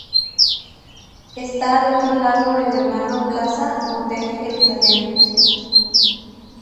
Está al otro lado de la Leonardo Plaza Hotel Jerusalem.